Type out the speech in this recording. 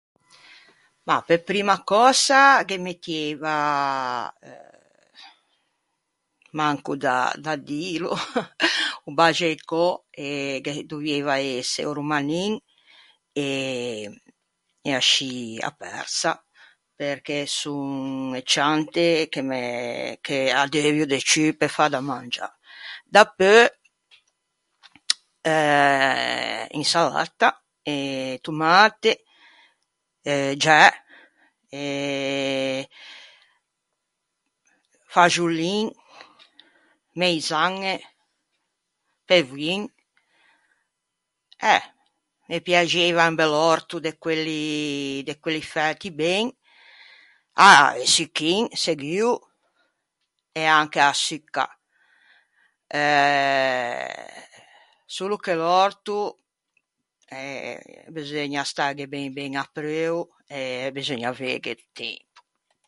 Mah, pe primma cösa ghe mettieiva, manco da da dîlo, o baxaicò e ghe dovieiva ëse o romanin e e ascì a persa, perché son e ciante che me, che addeuvio de ciù pe fâ da mangiâ. Dapeu, eh, insalatta e tomate e giæe e faxolin, meizañe, pevioin. Eh, me piaxieiva un bell'òrto de quelli, de quelli fæti ben... Ah, e succhin, seguo... e anche a succa. Eh... solo che l'òrto, eh, beseugna stâghe ben ben apreuo e beseugna aveighe tempo.